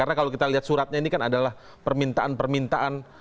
karena kalau kita lihat suratnya ini kan adalah permintaan permintaan